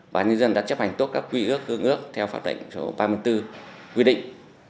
và nhân dân đã chấp hành tốt các quy ước hương ước theo pháp lệnh số ba mươi bốn quy định